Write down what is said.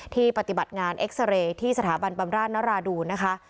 ที่ปฏิบัติงานเอ็กซาเรย์ที่สถาบันปรรามระดาษณราดูนะคะ